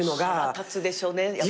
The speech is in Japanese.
腹立つでしょうね。